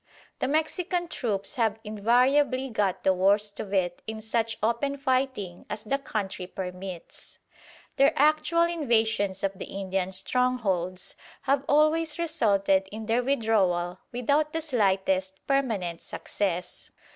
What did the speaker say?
The Mexican troops have invariably got the worst of it in such open fighting as the country permits. Their actual invasions of the Indian strongholds have always resulted in their withdrawal without the slightest permanent success.